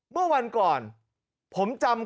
เมื่อวันก่อนผมจำ